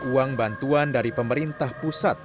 uang bantuan dari pemerintah pusat